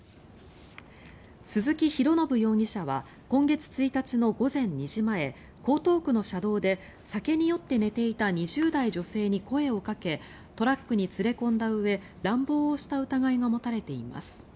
鈴木浩将容疑者は今月１日の午前２時前江東区の車道で酒に酔って寝ていた２０代女性に声をかけトラックに連れ込んだうえ乱暴をした疑いが持たれています。